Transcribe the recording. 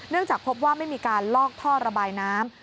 จากพบว่าไม่มีการลอกท่อระบายน้ำ